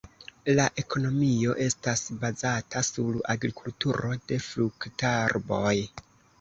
La ekonomio estas bazata sur agrikulturo de fruktarboj.